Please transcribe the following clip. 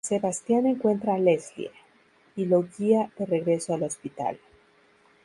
Sebastian encuentra a Leslie, y lo guía de regreso al hospital.